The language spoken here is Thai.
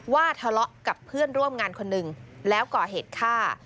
ว่าทะเลาะกับเพื่อนร่วมงานคนหนึ่งแล้วก่อเหตุฆ่า